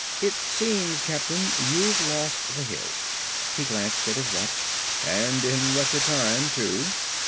"It seems, captain, you've lost the hill." He glanced at his watch. "And in record time, too."